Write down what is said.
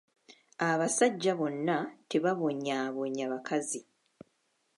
Abasajja bonna tebabonyaabonya bakazi.